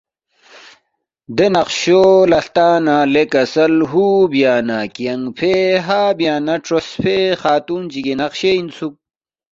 دے نقشو لہ ہلتا نہ لے کسل ہُو بیا نہ کیانگفے ہا بیا نہ تروسپے خاتون چِگی نقشے انسُوک